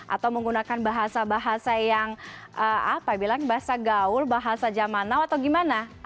atau menggunakan bahasa bahasa yang apa bilang bahasa gaul bahasa zaman now atau gimana